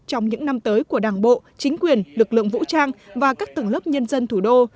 trong những năm tới của đảng bộ chính quyền lực lượng vũ trang và các tầng lớp nhân dân thủ đô